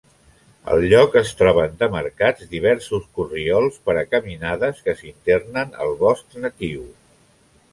Al lloc es troben demarcats diversos corriols per a caminades que s'internen al bosc natiu.